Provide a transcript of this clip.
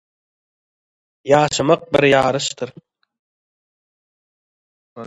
ýaşamak bir ýaryşdyr!